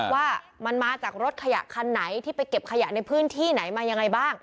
ว่ามันมาจากรถขยะคันไหนที่ไปเก็บขยะในพื้นที่ไหนมายังไงบ้าง